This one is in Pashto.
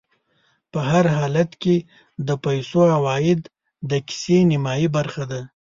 په هر حالت کې د پیسو عوايد د کيسې نیمایي برخه ده